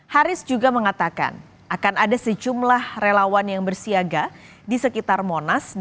haris juga mengatakan akan ada sejumlah relawan yang bersiaga di sekitar monas